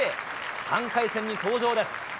３回戦に登場です。